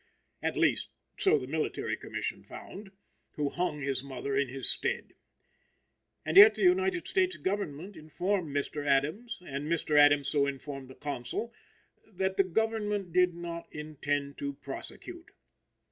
At least, so the Military Commission found, who hung his mother in his stead. And yet the United States Government informed Mr. Adams, and Mr. Adams so informed the consul, that the Government did not intend to prosecute.